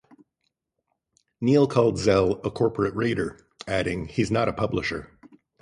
Neil called Zell "a corporate raider," adding "he's not a publisher.